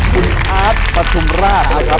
คุณอาร์ดประถุมราชฮะ